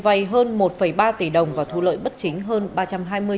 vay hơn một ba tỷ đồng và thu lợi bất chính hơn ba trăm hai mươi tỷ đồng